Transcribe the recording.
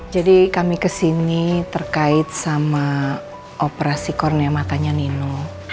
jadi kami kesini terkait sama operasi kornea matanya nino